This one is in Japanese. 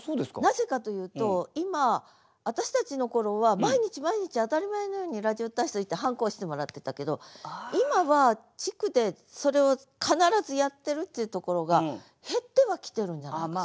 なぜかというと今私たちの頃は毎日毎日当たり前のようにラジオ体操行ってはんこ押してもらってたけど今は地区でそれを必ずやってるっていうところが減ってはきてるんじゃないですか。